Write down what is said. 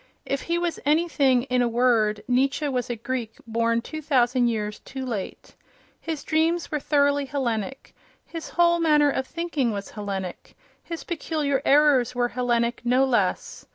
If he was anything in a word, Nietzsche was a Greek born two thousand years too late. His dreams were thoroughly Hellenic; his whole manner of thinking was Hellenic; his peculiar errors were Hellenic no less.